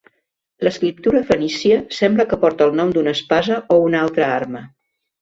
L'escriptura fenícia sembla que porta el nom d'una espasa o una altra arma.